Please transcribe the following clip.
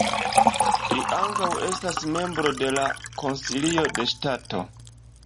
Li ankaŭ estas membro de la Konsilio de Ŝtato.